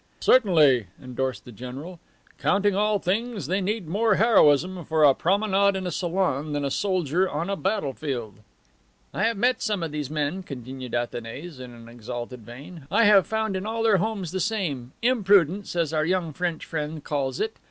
"Certainly," endorsed the general. "Counting all things, they need more heroism for a promenade in a salon than a soldier on a battle field." "I have met some of these men," continued Athanase in exalted vein. "I have found in all their homes the same imprudence, as our young French friend calls it.